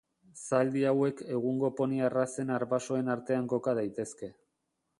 Zaldi hauek egungo poni arrazen arbasoen artean koka daitezke.